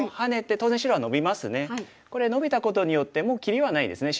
これノビたことによってもう切りはないですね。